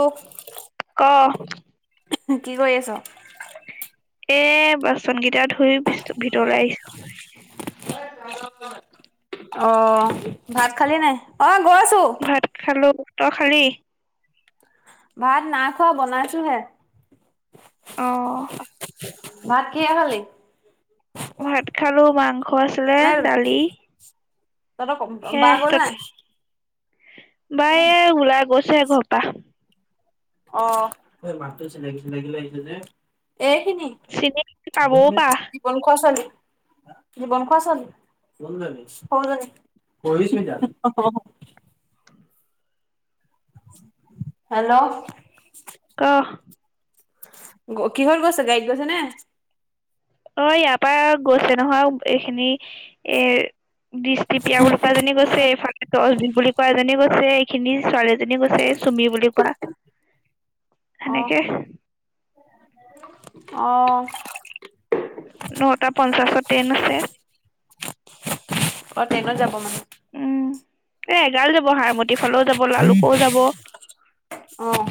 তোক ক কি কৰি আছ? এ বাচন কেইটা ধুই পিছতো ভিতৰলৈ আহিছো। অ ভাত খালি নাই? অ গৈছোঁ। ভাত খালো। তই খালি? ভাত নাই খোৱা বনাইছো হে। অ ভাত কিহে খালি? ভাত খালো মানং মাংস আছিলে নাই দালি তহঁতৰ বা সেয়াই গ'ল তত নাই? বায়ে ওলাই গৈছে ঘৰ পা। অ, হে মাতটো চিনাকি -চিনাকি লাগিছে যে এইখিনি চিনি পাবও পা [unintelligible] বন খোৱা ছোৱালী, বন খোৱা ছোৱালী। কোন জনী? সৰু জনী। পৰীস্মিতা। অহ, অহ হেল্ল' কহ? গ কিহত গৈছে গাড়ীত গৈছে নে? অ ইয়াৰ পৰা গৈছে নহয় এইখিনি এ- দৃষ্টিপিয়া বুলি কোৱা জনী গৈছে এইফালে টছবিন বুলি কোৱা জনে গৈছে। খিনি ছোৱালী এজনীয়ে গৈছে এই চুমি বুলি কোৱা অ', সেনেকে। অ। নটা পঞ্চাশত ট্ৰেইন আছে। অ, ট্ৰেইনত যাব মানে? উম, এ এগাল যাব হাৰ মতিভ। ফ'ল যাব লালুক যাব অ',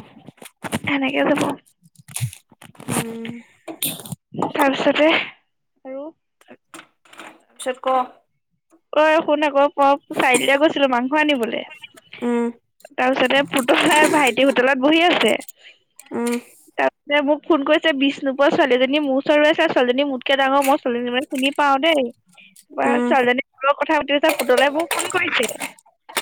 সেনেকে যাব। উম, তাৰপিছতে আৰু পিছত ক? ঐ শুন আকৌ [unintelligible] চাৰিআলিলে গৈছিলো মাংস আনিবলে উম, তাৰপিছতে পুতলাৰ ভাইটি হোটেলত বহি আছে উম, তাৰপিনে মোক ফোন কৰিছে বিষ্ণুপুৰৰ ছোৱালীজনীয়ে মোৰ ওচৰলে আছে ছোৱালীজনী মোতকে ডাঙৰ মই ছোৱালীজনী মানে চিনি পাওঁ দেই। উম, মোৰ লগত কথা পাতি আছে পুতলাই বোৰ ফোন কৰিছে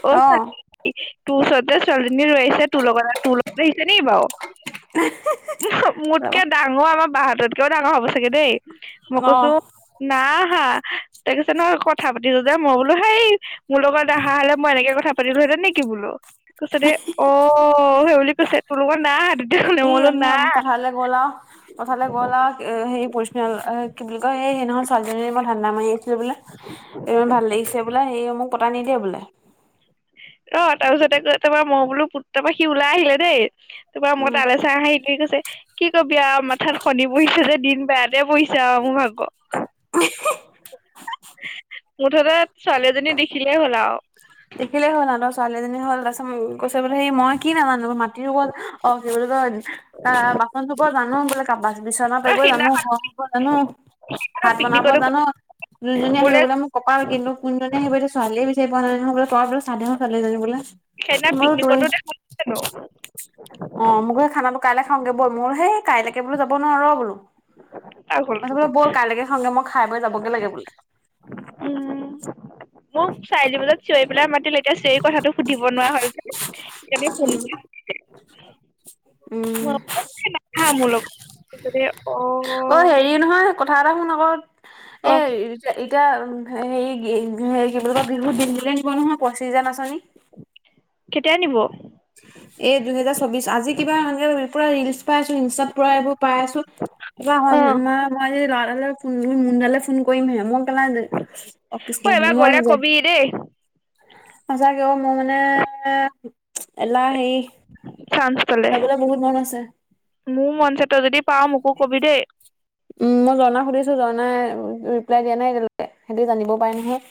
অ, অহ ছোৱালী তোৰ ওচৰতে ছোৱালীজনী ৰৈ আহিছে তোৰ লগত আৰ তোৰ লগতে আহিছে নি বাও? এ হে হে। মোতকে ডাঙৰ আমাৰ বাহততকেও ডাঙৰ হ'ব চাগে দেই। মই অ কৈছো না হা তই কৈছে নহয়, ক'ত। কথা পাতিলো যে মই বোলো সেই মোৰ লগত অহা হ'লে মই এনেকে কথা পাতিলোহেতেন নি বোলো। কৈছে দে অ সেইবুলি কৈছে তো লগত নাইহা দু- উঠনি অম পথাৰলে গ'লাও পথাৰলে গ'লাও সেই [unintelligible] কি বুলি কয় সেই সেইদিনাখন ছোৱালীজনীৰে মই ধান্দা মাৰি বোলে এই ভাল লাগিছে বোলে সেই মোক পতাই নিদিয়া বোলে। অ তাৰপিছতে আক তা পা মও বোলো পুত তা পা সি ওলাই আহিলে দেই। তা পা মই উম তালে চাই হাঁহি কি কৈছে কি কবি আও মাথাত শনি পৰিহিছে যে দিন বেয়াতে পৰিছে আও মোৰ ভাগ। [unintelligible] মুঠতে ছোৱালী এজনী দেখিলেই হ'ল আও। দেখিলেই হ'ল আও তা ছোৱালীজনী হ'ল তাছত কৈছে বোলে সেই মই কি নাজানো মাটিৰ ওপৰত অ কি বুলি কয় বাচন ধুব জানো বোলে কা বিচনা অ পাৰিব জানো সিদিনাখন ঘৰ সাৰিব জানো। ভাত বনাব পিকনিকতো জানো যোনজনী আহিব মোলে বোলে মোক কপাল কিন্তু কোন জনী আহিব ছোৱালীয়ে বিচাৰ পোৱা নাই নহয় বোলে তই বোলে চাধেন ছোৱালীজনী বোলে। সেই দিনা মই বোলো তোৰে পিকনিকতো দেখিছিলোঁ। অ মোক সেই খানাটো কাইলৈ খাওঁগৈ বল মোৰ সেই কাইলৈকে বোলো যাব নোৱাৰো ৰ বোলো। [unintelligible] পাগলটো। বোলে বল কাইলৈকে খাওগে মই খাই বৈ যাবগে লাগে বুলি। মোক চাই দিবলে চিঞৰি পেলাই মাতিলে এতিয়া চিঞৰি কথাটো সুধিব নোৱাৰা হ'ল যে। এনেই ফোন কৰিছিলে। উম। হা মূলক পাছতে অ সি নহয় কথা এটা শুন আকৌ ক এই এতিয়া হেৰি কি বুলি কয় বিহুত দিল্লীলে নিব নহয় পঁচিছ হাজাৰ নাচনী কেতিয়া নিব। [inaudible] এ দুহেজাৰ চৌবিশ আজি কিবা এনকা কিবিৰ পুৰা ৰিলচ পাই আছো ইনষ্টাৰ পৰা এইবোৰ পাই আছো। কিবা অ হয়ন মা মই ল'ৰা এটালে ফোন মোন মুন্নালে। ফোন কৰিম হে মই কেলা অ কৃষ্ণ এবাৰ মম গ'লে জয়। কবি দেই সঁচাকে অ মোৰ মানে এলাহ সেই। চাঞ্চ। যাবলে বহুত মন আছে। মোৰ মন আছে তই যদি পাওঁ মোকো কবি দেই। উম মই জৰ্ণা সুধিছো জৰ্ণাই ৰিপ্লাই দিয়া নাই এতিয়ালৈকে সেইটো জানিব পাৰে নহয়।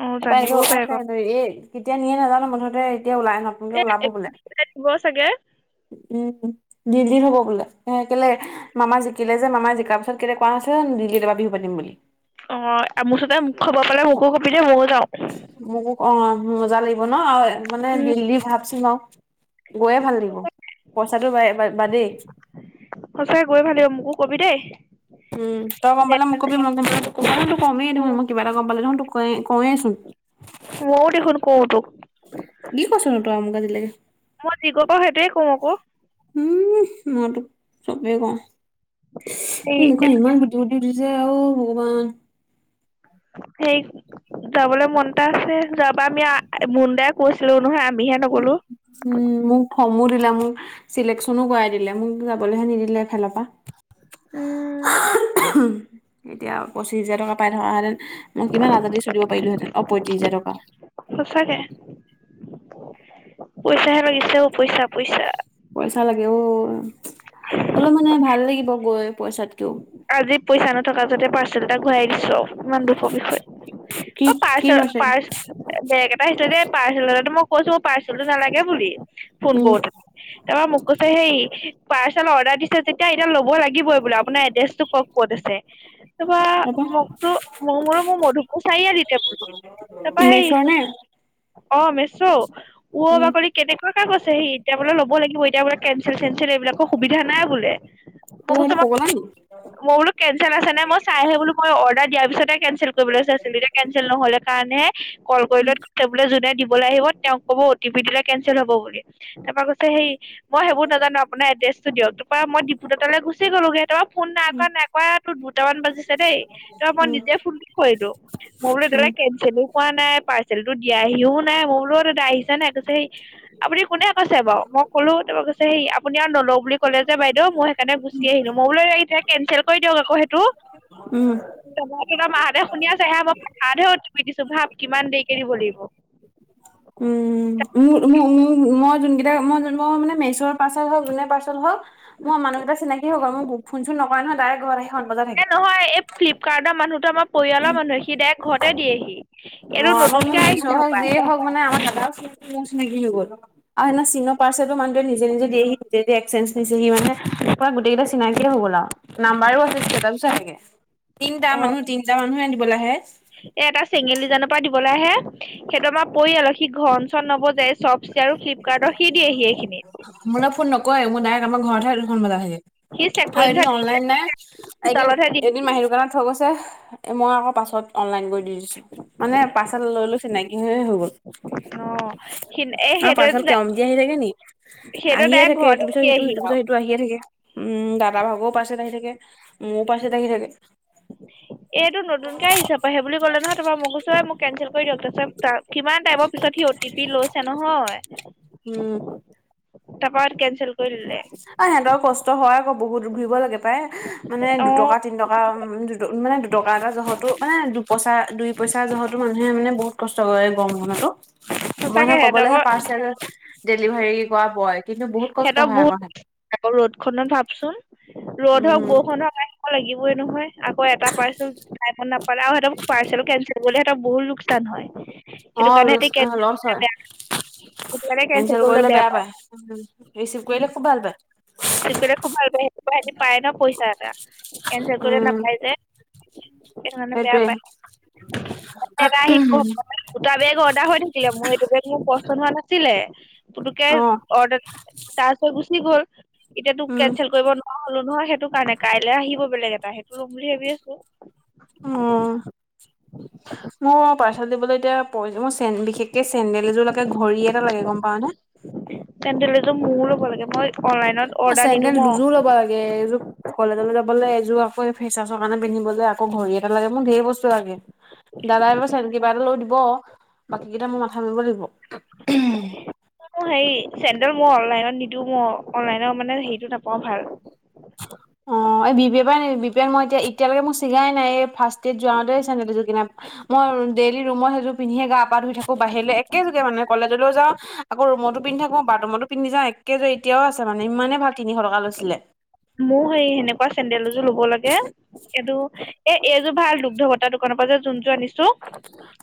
অ তা পা এনেকে জানিবও পাৰে ওলাইছে বাৰু সেতে ৰে কেতিয়া নিয়ে নাজানো মুঠতে এতিয়া ওলাই হত। ননকে ওলাব এ বোলে। দিব চাগে উম বিছ দিন হ'ব বোলে এ কেলে মামা জিকিলে মামাই জিকাৰ পাছত কেলে কোৱা নাছিলে নেন দিল্লীত এইবাৰ বিহু পাতিম বুলি। অ মুঠতে মোক খবৰ পালে মোকো কবি দে ময়ো যাওঁ। মোকো অ মজা লাগিব ন মানে উম দিল্লী ভাব চোন বাও। গৈয়ে ভাল লাগিব, পইচাটো বাই বাই বাদেই। সঁচাকৈয়ে গৈ ভাল লাগিব মোকো কবি দেই। উম তই গম পালে মোক কবি মই গম পালে তোক কম মই অ দেখোন কিবা এটা গম পালে কওৱে চোন। [inaudible] মও দেখোন কও তোক। কি কৈছোঁ নো তই মোক আজিলেকে। মোৰ যি কব সেইটোৱে কম আকৌ। উম, মই তোক চবে কও এই মুখ ইমান গুটি উঠিছে আও ভগৱান সেইক যাবলৈ মনএটা আছে যোৱাবাৰ আমি মুণ্ডাই কৈছিলে নহয় আমিহে নগলো। উম, মোক ফমো দিলে মোক চিলেকশচনো কৰাই দিলে মোক যাবলেহে নিদিলে এফালৰ পা উম, এতিয়া পঁচিছ হাজাৰ টকা পাই থকাহেতেন মই কিমান আজাদি চলিব পাৰিলোহেতেন। পয়েটিছ হাজাৰ টকা। সচাকে। পইচাহে লাগিছেও পইচা - পইচা। পইচা লাগে অ, অলপ মানে ভাল লাগিব গৈ পইচাতকেও। আজি পইচা নথকা যতে পাৰ্চেল এটা ঘূৰাই দিছো। ইমান দুখৰ বিষয়ে কি অ, পাৰ্চ কি - পাইছে পাৰ্চ বেগ এটা সেইটো দ পাৰ্চেল এ মই কৈছো পাৰ্চেলটো নালাগে বুলি ফোন উম কৰোতে। তাৰপৰা মোক কৈছে সেই পাৰ্চেল অৰ্ডাৰ দিছে তেতিয়া এতিয়া ল'ব লাগিবই বোলে আপোনাৰ এড্ৰেছ ক'ত আছে তপা তাৰপা মোকতো ম মোৰ - মোৰ মধু চাৰিআলি বুলো। শুনিছা নে? অ, মেছও অ, উম বাকলি কেনেকুৱা কে কৈছে সি এতিয়া বোলে লব লাগিবই এতিয়া বোলে কেঞ্চেল চেনঞ্চেল এইবিলাক সুবিধা নাই বোলে মই কৈছো পলং [unintelligible] মই বোলো কেনঞ্চেল আছে নাই মই চাই আহো বোলো মই অৰ্ডাৰ দিয়াৰ পিছতে কেনঞ্চেল কৰিবলৈ চাইছিলো এতিয়া কেনঞ্চেল নহলে কাৰণেহে কল কৰি ল ক বোলে যোনে দিবলৈ আহিব তেওক ক'ব টিপ দ কেনঞ্চেল হব বুলি তাপা কৈছে সেই মই সেইবোৰ নাজানো আপোনাৰ এডে দিয়ক তাপা মই দিপুতাতালে গুচি গ'লোগে তাপা ফোন নাই উম কৰা - নাই কৰা তোৰ দুটামান বাজিছে দেই তাপা মই উম নিজে ফোন কৰিলো। মই বোলো এতিয়া উম লৈকে কেন পাৰ্চেল পোৱা নাই পাৰ্চেলতটো দিয়াহিও নাই মই বুলো অ, দাদা আহিছা নাই কৈছে সেই আপুনি কোনে আছে বাৰু মই কলো ত কৈছে হে আপুনি আৰু নলও বুলি ক'লে যে বাইদেউ মই সেইকাৰে গুচি আহিলো মই বোলো এয়া কেনচেল কৰি দিয়ক আকৌ সেইটো। উম ত-ত তাৰ মাহতে শুনি আছে এ ম হাহাহেওত তুমি দিছো ভাৱ কিমান দেৰিকে দিব লাগিব। উম, মোৰ মোৰ মই যোন কেইটা মই - মই মানে মেচৰ পাৰ্চেল হওক যোনে পাৰ্চেল হওক মোৰ মানুহকেইটা চিনাকি হৈ গ'ল মোৰ ফোন চোন নকৰে নহয় ডাৰেক্ত ঘৰত আহি হৰণ বজাই এ থাকে। নহয় এই ফ্লিপকাৰ্টৰ মানুহতো আমাৰ পৰিয়ালৰ মানুহে সি ডাইৰেক্ট ঘৰতে দিয়েহি। এইটো অ, আমাৰ ম নতুনকে আহিছে ম হপায় যিয়েই হওক মান আমাৰ দাদ চিনাকি হৈ গ'ল। আৰু সেনা চীনৰ পাৰ্চেলত মানুহ জনে নিজে - নিজে দিয়েহি নিজে এক্সেজ নিছেহি মানে তাপা গোটেইকেটা চিনাকি হৈ গ'ল আও। নাম্বাৰো আছে চ চাগে [unintelligible] তিনিটা মানুহ - তিনিটা মানুহে দিবলে আহে। এ এটা চেঙেলীজানৰ পৰা দিবলৈ আহে সেইতো আমাৰ পৰিয়ালৰ ঘন চন নব যাই। চপষ্টছে আৰু ফ্লিপকাৰ্ট মোলে ফোন নকয় মোৰ ডাইৰেক্ট আমাৰ ঘৰতহে দুখন বজাইহি। সি আৰু চেকপইন্ট এদিন অনলাইন নাই এদিন চোতালতহে - এদিন দিয়েহি মাহীৰ দোকানত থৈ গৈছে। এ মই আকৌ পাছত অনলাইন কৰি দি দিছো মানে পাৰ্চেল লৈলৈচো চিনাকি হৈয়ে হৈ গ'ল। অ', সি এ অ, পাৰ্চেল সেইটোৱে কেয়মিতি আহিয়ে থাকে নেকি সেইটো আহিয়ে ডাইৰেক্ট থাকে এইটো ঘৰতে পিছত সিটো পাতিয়েহি সেইটো পিছত আৰু সিটো। তো আহিয়ে থাকে। উম' দাদা ভাগৰ পাৰ্চেল আহি থাকে, মোৰো পাৰ্চেল আহি থাকে। এইটো নতুনকে আহিছে পা সেই বুলি ক'লে নহয় তোমাৰ মোক কৈছে অ, মোক কেনচেল কৰি দিয়ক। তাৰপাছত তাক কিমান টাইমৰ পিছত, সি অ টি পি লৈছে নহয়। তৰপা কেনঞ্চেল। এ সিহঁতৰ কষ্ট হয় আকৌ বহুত, ঘূৰিব লাগে প্ৰায় মানে অ' দুটকা তিন টকা দু মানে দুটকা এটা জহতো মানে দু পইচা দুই পইচা জহতো মানুহে মানে বহুত কষ্ট কৰে গৰম খনতো মই সঁচাকে নহয় ক'বলৈহে সিহঁতকৰ পাৰ্চেল ডেলিভাৰী কৰা বয়। কিন্তু বহুত কষ্ট সিহঁতক হয় আকৌ বহুত সিহঁতৰ আকৌ ৰ'দ খনত ভাবচোন ৰ'দ হওক উম বৰষুন হ লাগিবই নহয় আকৌ এটা পাৰ্চেল টাইমত নাপালে আৰু সিহতক পাৰ্চেল কেনঞ্চেল কৰিবলেিহতক বহুত লোক চান হয়। অ, সেইটো কাৰণে লোচ সিহঁতি অ, লচ কেনচেল হয়, বেয়া সেইটো কাৰণে কেনচেল কেনঞ্চেল কৰিবলৈ কৰিলে বেয়া পায়। উম' ৰিচিভ কৰিলে খুব ভাল পায়। আহি পেলাই খুব ভাল পায়, এসেতি পায় ন পইচা এটা, কেনঞ্চেল কৰিলে উম নাপায় যে। সেইকাৰণে বেয়া সেইটোৱে পাই। [unintelligible] দুটা বেগ অৰ্ডাৰ হৈ থাকিলে, মোৰ এইটো বেগ মোৰ পচন্দ হোৱা নাছিলে। পুতুকে অ অৰ্ডাৰ তাৰপিছত গুচি গ'ল, এতিয়া তো উম কেনঞ্চেল কৰিব নোৱা নোৱাৰা হলোঁ নহয়, সেইটো কাৰণে কাইলে আহিব বেলেগ এটা, সেইটো লম বুলি ভাবি আছো। উম' মোৰ পাৰ্চেল দিবলৈ এতিয়া [unintelligible] মোৰ চে বিশেষকে চেণ্ডেল এযোৰ লাগে, ঘড়ী এটা লাগে। গম পাওঁ নে? চেণ্ডেল এযোৰ মোৰো ল'ব লাগে। মই অনলাইনত মই অৰ্ডাৰ নিদো চেণ্ডেল মই দুযোৰ ল'ব লাগে। এযোৰ কলেজলৈ যাবলৈ এযোৰ আকৌ ফেচাছৰ কাৰণে পিন্ধিবলৈ আকৌ ঘড়ী এটা লাগে, মোৰ ঢেৰ বস্তু লাগে। দাদায়ে বা চেন কিবা এটা লৈ দিব, বাকী কেইটা মোৰ মাথা মাৰিব লাগিব। হেৰি চেণ্ডেল মই অনলাইনত নিদো, মই অনলাইনৰ মানে হেৰিটো নাপাওঁ ভাল। হয় অ, এই বি পেৰ পৰা নে বিপে মই এতিয়া এতিয়ালৈকে মোৰ চিগাই নাই, এই ফাৰ্ষ্ট ইয়েৰ যাওঁতে এই চেণ্ডেল দুযোৰ কিনা। মই ডেইলি ৰুমৰ সেইযোৰ পিন্ধিয়ে গা-পা ধুই থাকো, বাহিৰলৈ একেযোৰকে মানে কলেজলৈও যাওঁ। আকৌ ৰুমটো পিন্ধি থাকো, বাথৰুমতো পিন্ধি যাওঁ, একেযোৰ এতিয়াও আছে মানে ইমানেই ভাল তিনিশ টকা লৈছিলে। মোৰ সেই সেনেকুৱা চেন্দেল এযোৰ ল'ব লাগে। এইটো এ এইযোৰ ভাল দুগ্ধ বটাৰ দোকানৰ পৰা যে যোন যোৰ আনিছো।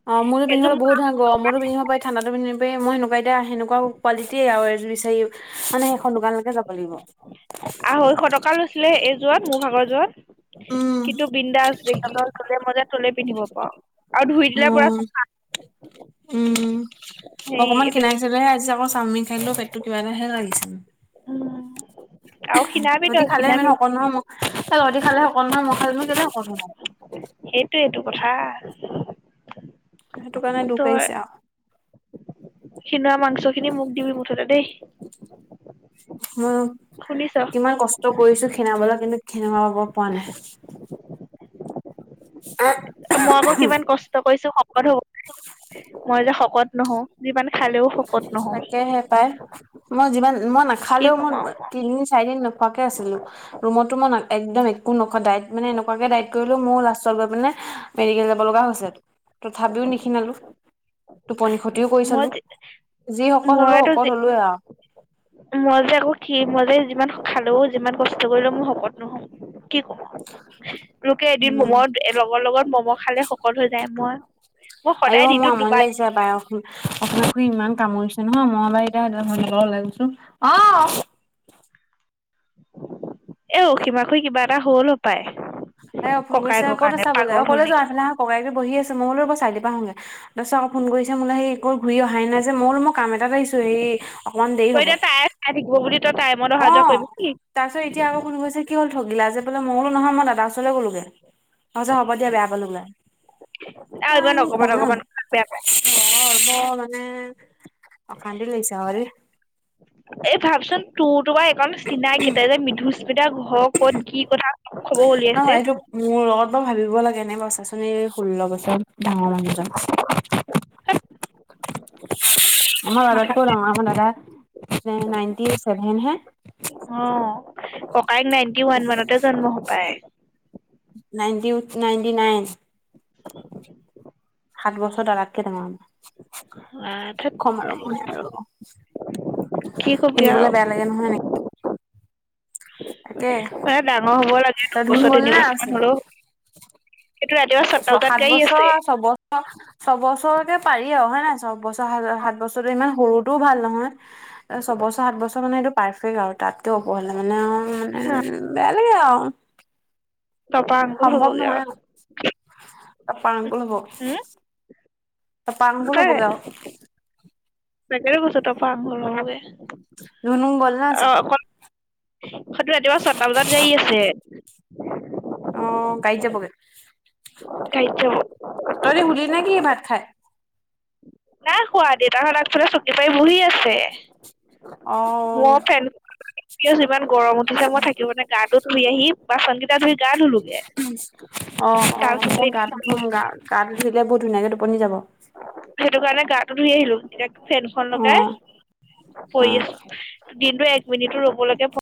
অ, মোৰ যোৰ পিন্ধিবলৈ বহুত ভাল, গৰমতো পিন্ধিব পাৰি, ঠাণ্ডাটো পিন্ধিব পাৰি, মই সেনেকুৱা এযোৰ এতিয়া সেনেকুৱা কোৱালিটি আৰু এযোৰ বিচাৰি মানে সেইখন দোকানলৈকে যাব লাগিব। আঢ়ৈশ টকা লৈছিলে, এইযোৰত মোৰ ভাগৰ যোৰত। উম। কিন্তু বিন্দাচ [unintelligible] তলে পিন্ধিব পাওঁ। উম', উম' হেৰি অকমান এইটো কি খিনাইছো তেতিয়াহে আজি আকৌ চাউমিন খাই দিলো, পেটতো কিবা এটাহে লাগিছে মোৰ। উম, আৰু খীনাবি তহঁতি তই খালে ইমান খীনাবি শকত নহয়। মই তহঁতি খালে শকত নহয়, মই খালে নো কেলেই শকত হ'ম আৱ। সেইটোৱেটো কথা। সেইটো কাৰণে দুখ লাগিছে আও। খিনোৱা মাংসখিনি মোক দিবি মুঠতে দেই। উম' শুনিছ কিমান কষ্ট কৰিছো খিনাবলৈ কিন্তু খিনাব পৰা নাই। মই আকৌ কিমান কষ্ট কৰিছো শকত হ'বলে, মই যে শকত নহও, যিমান খালে। তাকেহে পাই, মই যিমান মই কি নাখালেও ক'ম মই আৰু তিনদিন, চাৰিদিন না নোখোৱাকে আছিলোঁ। ৰুমতোও মই একদম একো নোখোৱা ডাইট মানে এনেকুৱাকে ডাইট কৰিলোঁ, মোৰ লাষ্টত গৈ পিনে মেডিকেল যাব লগা হৈছে, তথাপিওঁ নিখিনালোঁ, টোপনি ক্ষতিও কৰি মই চালোঁ। যে যি শকত হলোঁ, মইতো শকত যে হলোঁৱে আৰু। মই যে আকৌ খিন, মই যে যিমান খালো, যিমান কষ্ট কৰিলেওঁ, মোৰ শকত নহওঁ। কি ক'ব [unintelligible] লোকে এদিন মম, উম লগৰ লগত ম'ম' খালে শকত হৈ যায়। মই মই আইঅ সদায় দিনটোত মোৰ আমনি দুবাৰ লাগিছে এইবাৰ ৰ। আপোনালোকো ইমান কামৰিছে নহয় মই বাৰু এতিয়া ঘৰ ওলাই গৈছো অ এ অসীমাখৈ কিবা এটা হ'ল পায় এয়া ফৌন কৈছে ক'ত আছা বোলে অ ক'লে যোৱা নেকি এফালে অহা ককাইদেউ বহি আছে, মই বোলো এবাৰ চাৰিআলিৰ পৰা আহোগে, তাৰপিছত আকৌ ফোন কৰিছে মোৰলে সেই ঘৰ ঘূৰি অহাই নাই যে, মই বোলো মই কাম এটাত আহিছোঁ, সেই অকনমান দেৰি তই হ'ব। এতিয়া তাই থাকিব বুলি তই তাই অ তাৰপিছত এতিয়া আকৌ ফৌন কৰিছে কি হ'ল ঠগিলা যে বোলে মইতো নহয় মই দাদাৰ ওচৰলৈ গলোগে অ যাহ হ'ব দিয়া বেয়া পালোঁ বোলো আও ইমান অকমান অকমান কথাত বেয়া পায় ঘৰ বৰ [unintelligible] মানে অশান্তি লাগিছে আও দেই এই ভাবচোন তোৰতো বা এইখন চিনাই কেইটাই যে মৃধুস্মিতা ঘৰ ক'ত কি কথা খবৰ ন উলিয়াইছে এইটো মোৰ লগত বাৰু ভাবিব লাগে নে বাওঁ চা চোন এই ষোল্ল বছৰ ডাঙৰ মানুহজন আমাৰ মাথা দাদাকৌ ডাঙৰ আমাৰ দাদয় নাইনটি ছেভেন হে অ ককাইক নাইনটি ওৱান মানতে জন্ম হ পায় নাইনটি উচ নাইনটি নাইন সাত বছৰ দাদাতকে ডাঙৰ আহ কি ধেৎ কম আৰু মই আৰু কি কবি শুনিবলে আৰু বেয়া লাগে নহয় এনে এ ডাঙৰ হ'ব লাগে তই ধুন দুবছৰ গ'ল তিনি নে আছে বছৰমানা হলো এইটো ৰাতিপুৱা ছ চতাল তাত সাত গাড়ী বছৰ আছে ছবছৰ ছবছৰকে পাৰি আৰু হয় নাই ছয়বছৰ সাত বছৰো ইমান সৰুটোও ভাল নহয় ছয়বছৰ সাত বছৰ মানে এইটো পাৰফেক্ট আৰু তাতকেও ওপৰহলে মানে অও না মানে বে লাগে আও টপা আঙুল সম্ভৱ হ'বগে নহয় আৰু পাৰাংকুল হব উম ত পাংকুল হ'বগে আও টেকেৰে পাইছ টপা আংগোৰোৱে ধুনু গল না আছে হয়তো ৰাতিপুৱা ছটা বজাত গাড়ী আছে অ গাড়ীত যাবগে গাড়ীত যাব তহঁতি শুলি নে কি ভাত খাই না খোৱা দেউতাৰ আগফালে চকী পাই বহি আছে অ মই ফেন এতিয়াও যিমান গৰম উঠিছে মই থাকিব নে গাত তু ধুই আহি বাচন কেইটা ধুই গা ধুলো অ অ মই গাটো ধুম গা গাটো ধুই দিলে বহুত ধুনীয়াকে টোপনি যাব সেইটো কাৰণে গাটো ধুই আহিলো এতিয়া ফেনখন লগাই অ', পৰি অ'। আছো দিনটো এক মিনিটো ৰ'বলৈকে পো